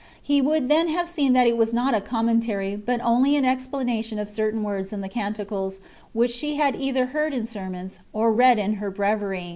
He would then have seen that it was not a Commentary , but only an Explanation of certain words in the Canticles, which she had either heard in sermons, or read in her Breviary.